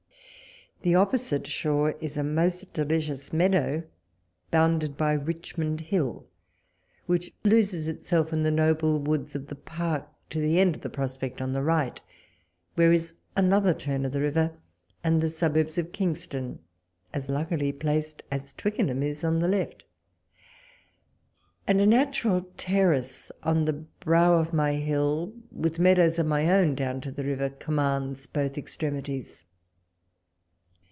The opposite shore is a most delicious meadow, bounded by Richmond Hill, which loses itself in the noble woods of the park to the end of the prospect on the right, where is another turn of the river, and the suburbs of Kingston as luckily placed as Twickenham is on the left : and a natural terrace on the brow of my hill, with meadows of my own down to the river, com mands both extremities.